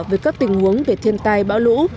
với các tình huống về thiên tai bão lũ